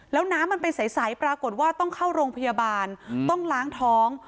แล้วน้ำมันเป็นใสปรากฏว่าต้องเข้าโรงพยาบาลต้องล้างท้อง